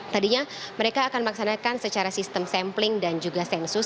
tadinya mereka akan melaksanakan secara sistem sampling dan juga sensus